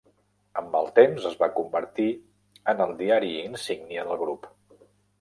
Amb el temps, es va convertir en el diari insígnia del grup.